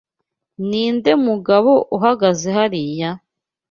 Ninde mugabo uhagaze hariya?